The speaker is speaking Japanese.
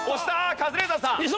カズレーザーさん。